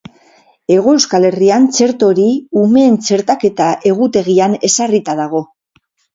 Hego Euskal Herrian txerto hori umeen txertaketa-egutegian ezarrita dago.